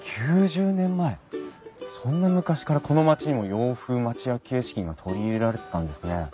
そんな昔からこの町にも洋風町屋形式が取り入れられてたんですね。